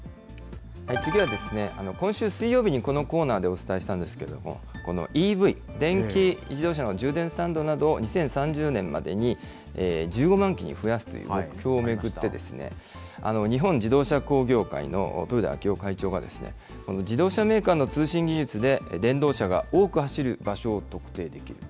次は、今週水曜日にこのコーナーでお伝えしたんですけれども、ＥＶ・電気自動車の充電スタンドなどを２０３０年までに１５万基に増やすという目標を巡って、日本自動車工業会の豊田章男会長が、自動車メーカーの通信技術で、電動車が多く走る場所を特定できると。